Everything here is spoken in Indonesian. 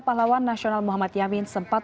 pahlawan nasional muhammad yamin sempat